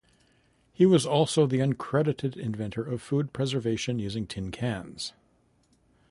He was also the uncredited inventor of food preservation using tin cans.